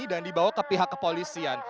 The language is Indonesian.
dan dibawa ke pihak kepolisian